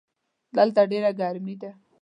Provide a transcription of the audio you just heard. دلته ډېره ګرمي ده.